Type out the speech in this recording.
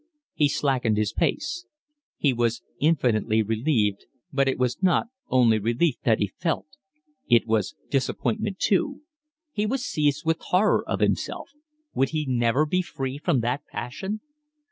He slackened his pace. He was infinitely relieved, but it was not only relief that he felt; it was disappointment too; he was seized with horror of himself. Would he never be free from that passion?